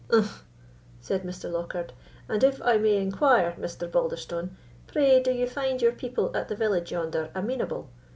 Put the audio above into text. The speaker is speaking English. "Umph!" said Mr. Lockhard; "and if I may inquire, Mr. Balderstone, pray do you find your people at the village yonder amenable?